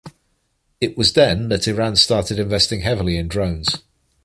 It was then that Iran started investing heavily in drones.